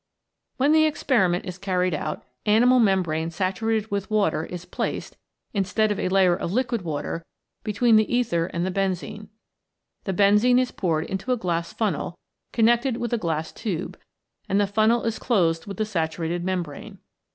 When the ex periment is carried out animal membrane saturated with water is placed, instead of a layer of liquid water, between the ether and the benzene. The benzene is poured into a glass funnel connected with a glass tube, and the funnel is closed with the saturated membrane.